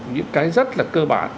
những cái rất là cơ bản